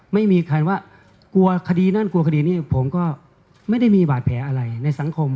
ไม่มีใครว่าด้วยความกลัวคดีนั้นผมก็ไม่ได้มีบาดแผลอะไร